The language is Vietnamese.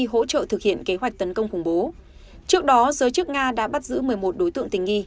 hỗ trợ thực hiện kế hoạch tấn công khủng bố trước đó giới chức nga đã bắt giữ một mươi một đối tượng tình nghi